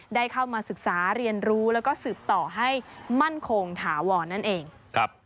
ได้เข้ามาศึกษาเรียนรู้แล้วก็สืบต่อให้มั่นคงถาวรนั่นเองครับ